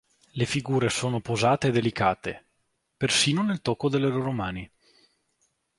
Le figure sono posate e delicate, persino nel tocco delle loro mani.